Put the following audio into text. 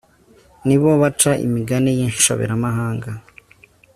ni bo baca imigani y'inshoberamahanga